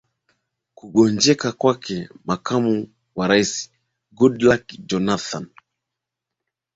kungonjeka kwake makamu wa rais Goodluck Jonathan